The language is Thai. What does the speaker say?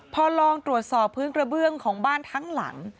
พอลองตรวจสอบพื้นกระเบื้องของบ้านทั้งหลัง